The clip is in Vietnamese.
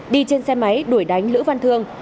đi trên xe máy đuổi đánh lữ văn thương